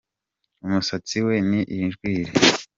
umusatsi we ni injwiri